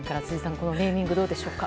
このネーミングどうでしょうか。